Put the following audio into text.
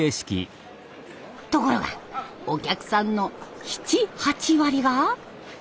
ところがお客さんの７８割が。